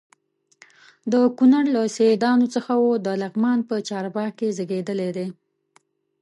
د کونړ له سیدانو څخه و د لغمان په چارباغ کې زیږېدلی دی.